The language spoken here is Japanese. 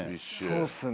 そうっすね。